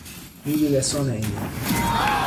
mi wile sona e ni.